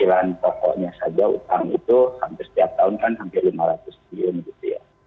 kehadiran pokoknya saja utang itu hampir setiap tahun kan hampir lima ratus triliun gitu ya